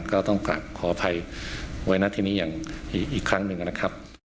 ก็ต้องกลับขออภัยไว้นะทีนี้อย่างอีกครั้งหนึ่งนะครับ